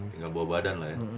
tinggal bawa badan lah ya